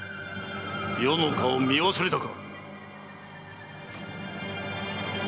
余の顔を見忘れたか！